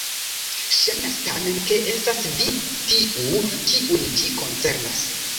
Ŝajnas tamen, ke estas vi tiu, kiun ĝi koncernas.